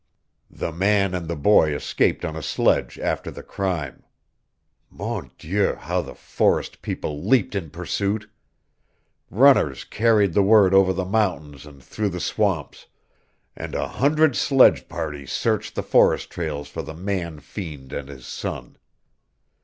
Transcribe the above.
"The man and the boy escaped on a sledge after the crime. Mon Dieu, how the forest people leaped in pursuit! Runners carried the word over the mountains and through the swamps, and a hundred sledge parties searched the forest trails for the man fiend and his son.